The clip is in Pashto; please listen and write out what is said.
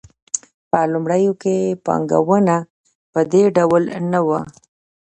په لومړیو کې بانکونه په دې ډول نه وو